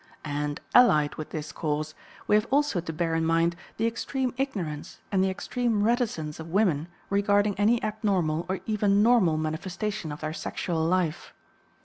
And, allied with this cause, we have also to bear in mind the extreme ignorance and the extreme reticence of women regarding any abnormal or even normal manifestation of their sexual life.